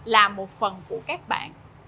là một phần của các bạn